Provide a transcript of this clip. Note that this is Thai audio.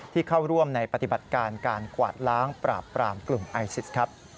เข้าร่วมในปฏิบัติการการกวาดล้างปราบปรามกลุ่มไอซิสครับ